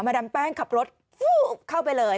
ดามแป้งขับรถเข้าไปเลย